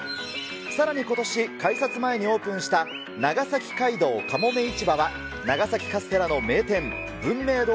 さらにことし、改札前にオープンした長崎街道かもめ市場は、長崎カステラの名店、文明堂